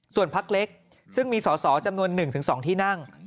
ส่วนพักเล็กซึ่งมีสอสอจำนวน๑๒ที่นั่ง